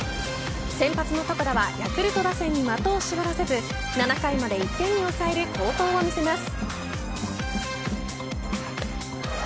先発の床田はヤクルト打線に的を絞らせず７回まで１点に抑える好投を見せます。